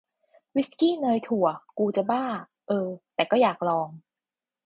วิสกี้เนยถั่ว กูจะบ้า เออ แต่ก็อยากลอง